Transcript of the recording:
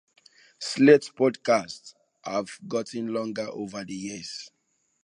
"Slate" podcasts have gotten longer over the years.